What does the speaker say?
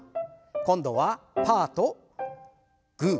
今度はパーとグー。